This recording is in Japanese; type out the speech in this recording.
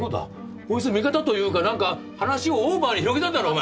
こいつ味方というか何か話をオーバーに広げたんだろうお前。